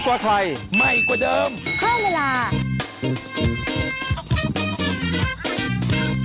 ไปพบกับคุณสุริกับคุณมิ้วนะ